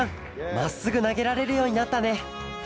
まっすぐなげられるようになったね！